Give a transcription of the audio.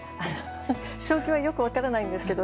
将棋はよく分からないんですけれど